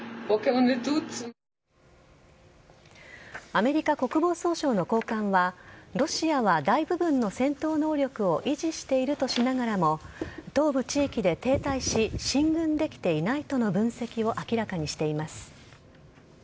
アメリカ国防総省の高官はロシアは大部分の戦闘能力を維持しているとしながらも東部地域で停滞し進軍できていないとの分析を明らかにしています。